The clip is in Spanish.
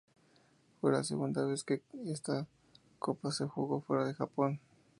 Fue la segunda vez que esta copa se jugó fuera de Japón.